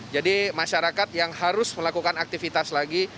jadi masyarakat yang harus melakukan aktivitas lagi